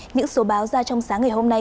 những số báo ra trong sáng ngày hôm nay